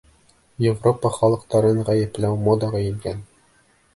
Европа халыҡтарын ғәйепләү модаға ингән.